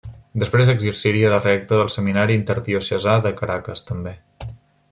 Després exerciria de rector del seminari interdiocesà de Caracas, també.